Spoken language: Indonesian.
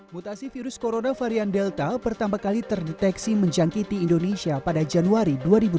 mutasi virus corona varian delta pertama kali terdeteksi menjangkiti indonesia pada januari dua ribu dua puluh